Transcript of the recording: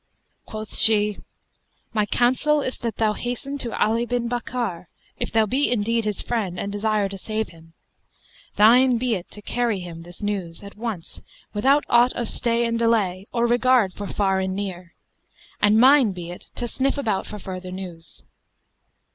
Quoth she, 'My counsel is that thou hasten to Ali bin Bakkar, if thou be indeed his friend and desire to save him; thine be it to carry him this news at once without aught of stay and delay, or regard for far and near; and mine be it to sniff about for further news.'